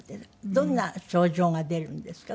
どんな症状が出るんですか？